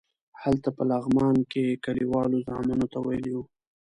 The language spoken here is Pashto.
هلته په لغمان کې کلیوالو زامنو ته ویلي وو.